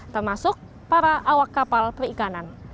termasuk para awak kapal perikanan